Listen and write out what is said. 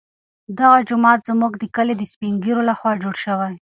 دغه جومات زموږ د کلي د سپین ږیرو لخوا جوړ شوی.